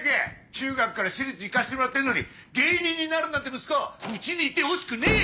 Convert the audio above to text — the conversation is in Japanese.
中学から私立行かせてもらってるのに芸人になるなんて息子家にいてほしくねえよ！